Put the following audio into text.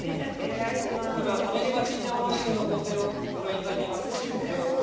今、「食べればチンジャオロースー」の工程をご覧いただいています。